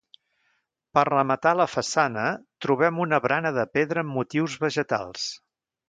Per rematar la façana trobem una barana de pedra amb motius vegetals.